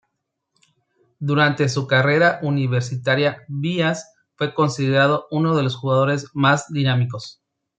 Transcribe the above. Durante su carrera universitaria Bias fue considerado uno de los jugadores más dinámicos.